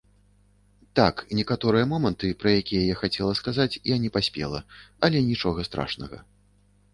Так, некаторыя моманты, пра якія я хацела сказаць, я не паспела, але нічога страшнага.